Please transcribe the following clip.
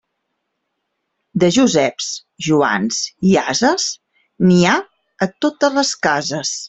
De Joseps, Joans i ases, n'hi ha a totes les cases.